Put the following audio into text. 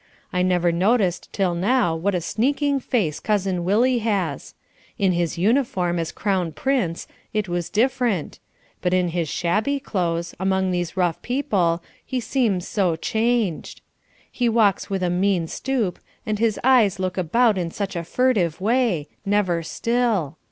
I never noticed till now what a sneaking face Cousin Willie has. In his uniform, as Crown Prince, it was different. But in his shabby clothes, among these rough people, he seems so changed. He walks with a mean stoop, and his eyes look about in such a furtive way, never still.